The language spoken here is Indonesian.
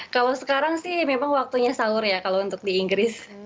kalau sekarang sih memang waktunya sahur ya kalau untuk di inggris